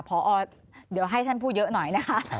พอเดี๋ยวให้ท่านพูดเยอะหน่อยนะคะ